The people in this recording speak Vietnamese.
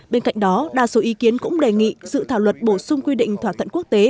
bên cạnh đó đa số ý kiến cũng đề nghị dự thảo luật bổ sung quy định thỏa thuận quốc tế